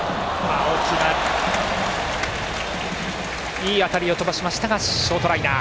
いい当たりを飛ばしましたがショートライナー。